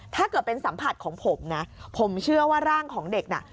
ถ้าเกิดเป็นสัมผัสของผมนะผมเชื่อว่าร่างของเด็กน่ะ